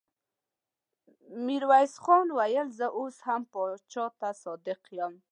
ميرويس خان وويل: زه اوس هم پاچا ته صادق يم.